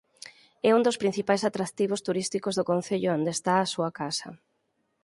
É un dos principais atractivos turísticos do concello e onde está a súa casa.